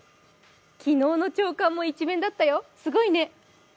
昨日の朝刊も１面だったよ、すごいね。